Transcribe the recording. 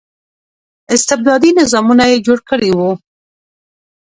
استبدادي نظامونه یې جوړ کړي وو.